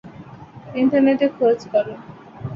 ইন্টারনেটে খোঁজ করো।